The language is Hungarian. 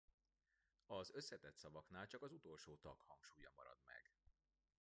Az összetett szavaknál csak az utolsó tag hangsúlya marad meg.